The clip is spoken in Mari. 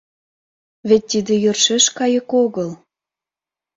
Вет тиде йӧршеш кайык огыл!..